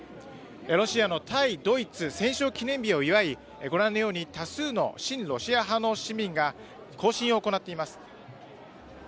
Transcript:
ロシアの対ドイツ戦勝記念日を祝いご覧のように多数の親ロシア派の市民が行進を行っています。